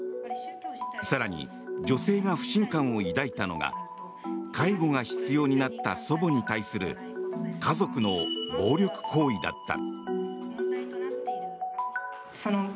更に、女性が不信感を抱いたのが介護が必要になった祖母に対する家族の暴力行為だった。